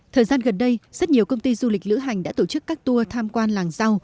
thời gian gần đây rất nhiều công ty du lịch lữ hành đã tổ chức các tour tham quan làng rau